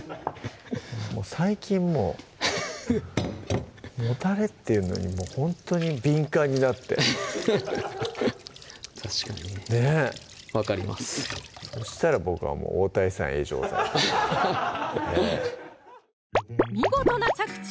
最近もうもたれっていうのにほんとに敏感になって確かにねぇ分かりますそしたら僕はもう「太田胃散Ａ錠剤」見事な着地！